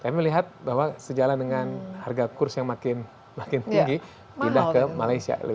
saya melihat bahwa sejalan dengan harga kurs yang makin tinggi pindah ke malaysia